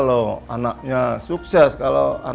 tak hanya menjual batik khas cirebon